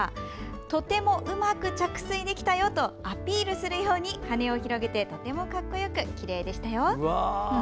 とてもうまく着水できたよとアピールするように羽を広げてとても格好よくきれいでした。